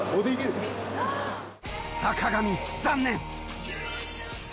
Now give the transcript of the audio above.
坂上残念！